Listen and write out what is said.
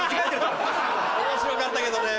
面白かったけどね。